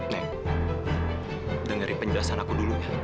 nek dengerin penjelasan aku dulu ya